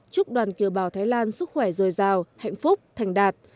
chúc đoàn kiều bào thái lan sức khỏe dồi dào hạnh phúc thành đạt